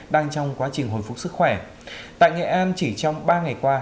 đang trong quá trình hồi phục sức khỏe tại nghệ an chỉ trong ba ngày qua